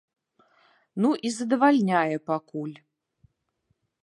Ну, і задавальняе пакуль.